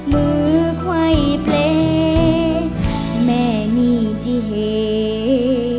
มือไขวยแปลงแม่นี่จะเห้อย